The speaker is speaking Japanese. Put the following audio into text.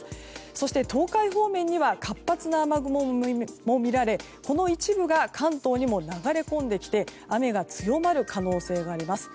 そして、東海方面には活発な雨雲も見られこの一部が関東にも流れ込んできて雨が強まる可能性があります。